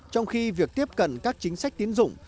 trong khi việc tiếp cận các chính sách tiến dụng